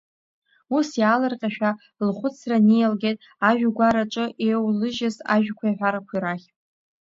Ус, иаалырҟьашәа, лхәыцра ниалгеит ажәгәараҿы еиулыжьыз ажәқәеи аҳәарақәеи рахь.